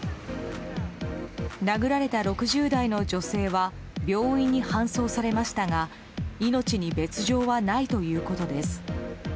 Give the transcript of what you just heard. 殴られた６０代の女性は病院に搬送されましたが命に別条はないということです。